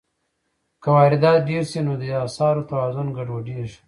که واردات ډېر شي، نو د اسعارو توازن ګډوډېږي.